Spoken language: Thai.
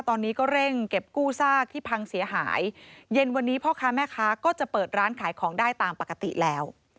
ตอนนี้ก็เร่งเก็บกู้ซากที่พังเสียหายเย็นวันนี้พ่อค้าแม่ค้าก็จะเปิดร้านขายของได้ตามปกติแล้ว